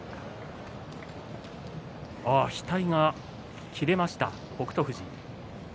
額が切れました、北勝富士。